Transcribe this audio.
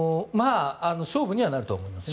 勝負にはなると思います。